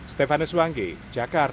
stefanus wanggi jakarta